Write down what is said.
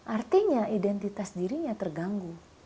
artinya identitas dirinya terganggu